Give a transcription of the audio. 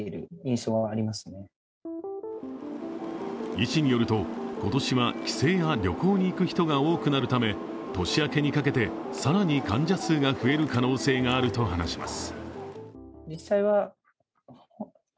医師によると、今年は帰省や旅行に行く人が多くなるため年明けにかけて更に患者数が増える可能性があると話します。